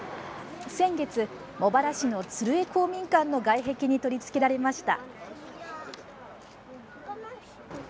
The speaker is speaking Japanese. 先月、茂原市の鶴枝公民館の外壁に取り付けられました。